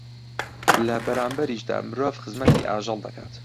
لە بەرانبەریشیدا مرۆڤ خزمەتی ئاژەڵ دەکات